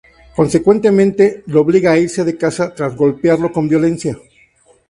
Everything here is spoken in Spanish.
Consecuentemente, lo obliga a irse de casa, tras golpearlo con violencia.